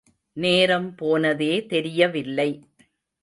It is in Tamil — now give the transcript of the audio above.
நேரம் போனதே தெரியவில்லை.